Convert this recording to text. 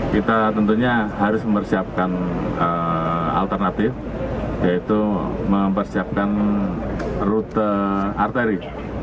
kita tentunya harus mempersiapkan alternatif yaitu mempersiapkan rute arteri